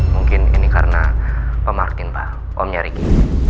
mungkin ini karena pemarktin pak omnya riki